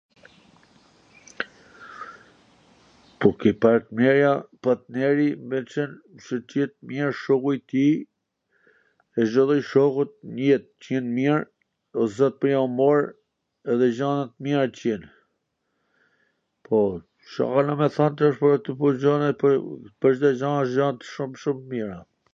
Po ke partnerja, partneri me qwn qw t jet mir shoku i tij e Cdo lloj shoku n jet t jen mir, o zot me ja u mor edhe gjana t mira t jen, po Ca dona me than tash pwr gjana qw pwr Cdo gja asht gja shum shum t mira.